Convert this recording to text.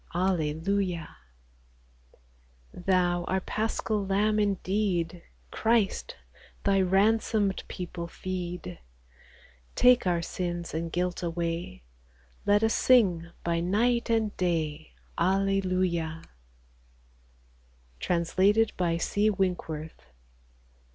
Alleluia ! Thou, our Paschal Lamb indeed, Christ, Thy ransomed people feed ! Take our sins and guilt away, Let us sing by night and day, — Alleluia ! Translated by C. Winkworth.